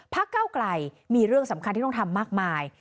เก้าไกลมีเรื่องสำคัญที่ต้องทำมากมาย